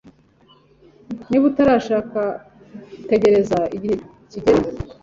niba utarashaka tegereza igihe kigere